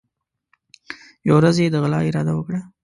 یوه ورځ یې د غلا اراده وکړه.